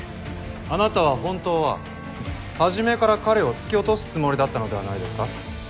あなたは本当は初めから彼を突き落とすつもりだったのではないですか？